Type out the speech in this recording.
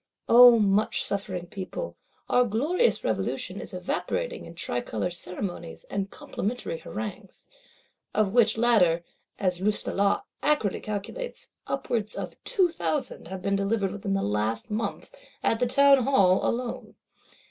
O much suffering People, our glorious Revolution is evaporating in tricolor ceremonies, and complimentary harangues! Of which latter, as Loustalot acridly calculates, "upwards of two thousand have been delivered within the last month, at the Townhall alone."